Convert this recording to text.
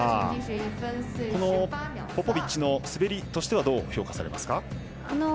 ポポビッチの滑りとしてはどう評価されますか。